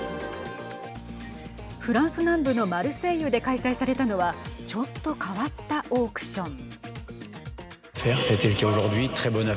フランス南部のマルセイユで開催されたのはちょっと変わったオークション。